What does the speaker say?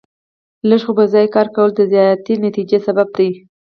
لږ خو په ځای کار کول د زیاتې نتیجې سبب دی.